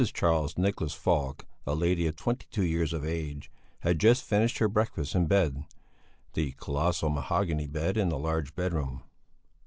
Charles Nicholas Falk, a lady of twenty two years of age, had just finished her breakfast in bed, the colossal mahogany bed in the large bedroom.